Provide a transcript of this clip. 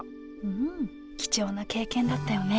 うん貴重な経験だったよね